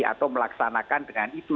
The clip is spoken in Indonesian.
atau melaksanakan dengan itu